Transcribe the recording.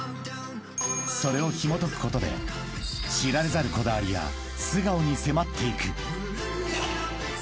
［それをひもとくことで知られざるこだわりや素顔に迫っていく］